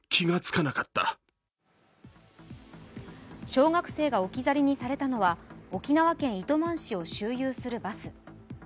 小学生が置き去りにされたのは沖縄県糸満市を周遊するバス。